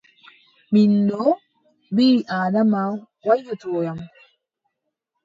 Min ɗo, ɓii-Aadama waƴƴotoyam.